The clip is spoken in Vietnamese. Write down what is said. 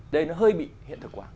đây nó hơi bị hiện thực quả